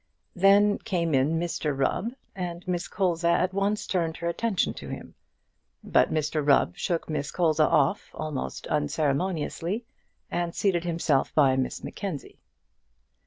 Then came in Mr Rubb, and Miss Colza at once turned her attention to him. But Mr Rubb shook Miss Colza off almost unceremoniously, and seated himself by Miss Mackenzie.